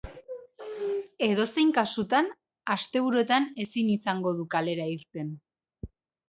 Edozein kasutan, asteburuetan ezin izango du kalera irten.